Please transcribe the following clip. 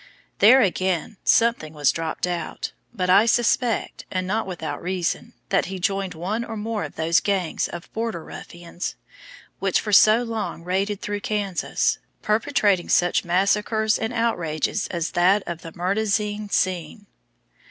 There, again, something was dropped out, but I suspect, and not without reason, that he joined one or more of those gangs of "border ruffians" which for so long raided through Kansas, perpetrating such massacres and outrages as that of the Marais du Cygne.